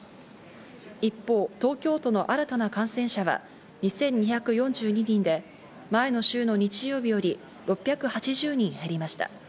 一方、東京都の新たな感染者は２２４２人で前の週の日曜日より６８０人減りました。